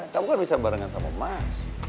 kamu kan bisa barengan sama mas